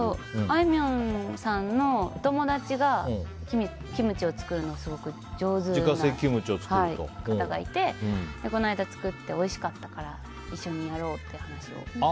あいみょんさんのお友達がキムチを作るのが上手な方がいてこの間作って、おいしかったから一緒にやろうって話を。